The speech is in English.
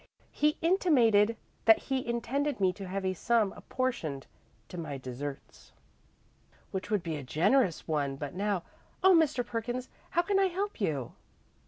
He intimated that he intended me to have a sum apportioned to my deserts." "Which would be a generous one; but now Oh, Mr. Perkins, how can I help you?"